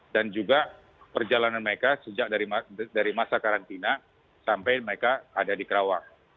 dan juga perjalanan mereka sejak dari masa karantina sampai mereka ada di kerawang